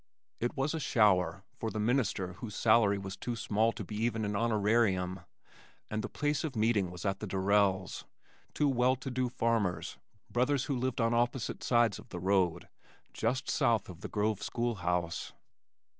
It was a "shower" for the minister whose salary was too small to be even an honorarium, and the place of meeting was at the Durrells', two well to do farmers, brothers who lived on opposite sides of the road just south of the Grove school house.